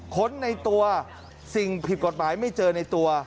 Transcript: ค้นในตัวสิ่งผิดกฎหมายไม่เจอในตัว